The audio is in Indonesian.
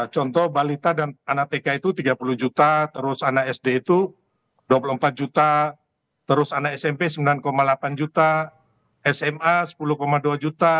contoh balita dan anak tk itu tiga puluh juta terus anak sd itu dua puluh empat juta terus anak smp sembilan delapan juta sma sepuluh dua juta